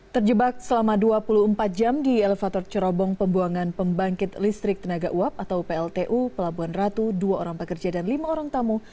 terjebak selama dua puluh empat jam di elevator cerobong pembuangan pembangkit listrik tenaga uap atau pltu pelabuhan ratu dua orang pekerja dan lima orang tamu